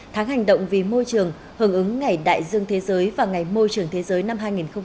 tháng hành động vì môi trường hưởng ứng ngày đại dương thế giới và ngày môi trường thế giới năm hai nghìn hai mươi